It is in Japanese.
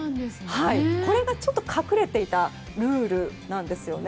これがちょっと隠れていたルールなんですよね。